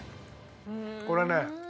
これね。